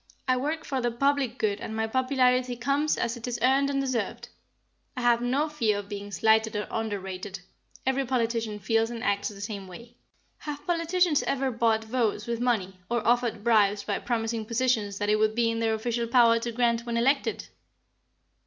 I work for the public good and my popularity comes as it is earned and deserved. I have no fear of being slighted or underrated. Every politician feels and acts the same way." "Have politicians ever bought votes with money, or offered bribes by promising positions that it would be in their official power to grant when elected?"